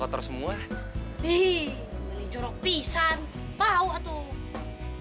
ih ini jorok pisang bau atuh